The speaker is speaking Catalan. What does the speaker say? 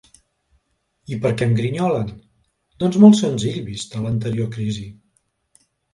I per què em grinyolen? Doncs molt senzill, vista l’anterior crisi.